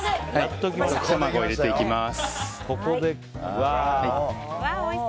溶き卵を入れていきます。